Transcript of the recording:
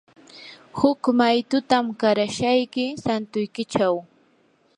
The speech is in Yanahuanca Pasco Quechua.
huk maytutam qarashayki santuykichaw.